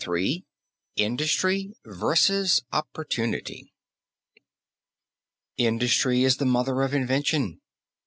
III INDUSTRY VS. OPPORTUNITY Industry is the mother of invention.